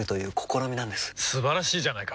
素晴らしいじゃないか！